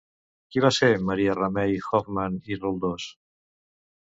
Qui va ser Maria Remei Hofmann i Roldós?